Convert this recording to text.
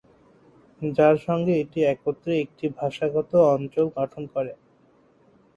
যার সঙ্গে এটি একত্রে একটি ভাষাগত অঞ্চল গঠন করে।